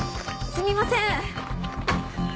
すみません。